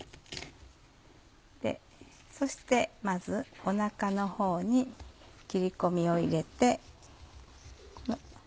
そしてまずお腹のほうに切り込みを入れて。